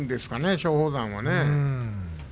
松鳳山はね。